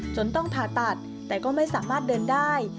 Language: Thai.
ต้องผ่าตัดแต่ก็ไม่สามารถเดินได้